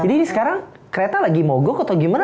ini sekarang kereta lagi mogok atau gimana